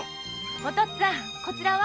お父っつぁんこちらは？